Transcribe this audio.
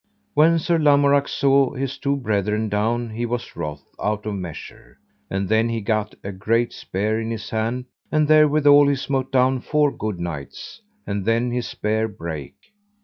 When Sir Lamorak saw his two brethren down he was wroth out of measure, and then he gat a great spear in his hand, and therewithal he smote down four good knights, and then his spear brake.